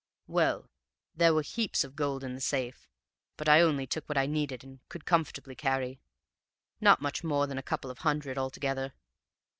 "Well, there were heaps of gold in the safe, but I only took what I needed and could comfortably carry, not much more than a couple of hundred altogether.